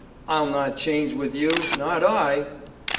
I'll not change with you, not I!"